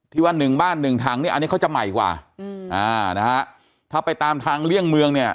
ว่าหนึ่งบ้านหนึ่งถังเนี่ยอันนี้เขาจะใหม่กว่าอืมอ่านะฮะถ้าไปตามทางเลี่ยงเมืองเนี่ย